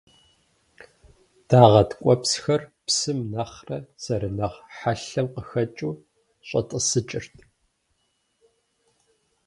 Дагъэ ткӏуэпсхэр псым нэхърэ зэрынэхъ хьэлъэм къыхэкӏыу щӏэтӏысыкӏырт.